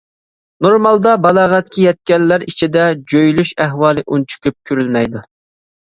نورمالدا بالاغەتكە يەتكەنلەر ئىچىدە جۆيلۈش ئەھۋالى ئۇنچە كۆپ كۆرۈلمەيدۇ.